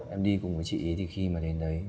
em đi cùng với chị ý thì khi mà đến đấy